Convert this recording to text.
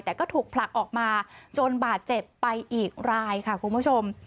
แต่ก็ถูกผลักออกมาจนบาดเจ็บไปอีกรายค่ะคุณผู้ชม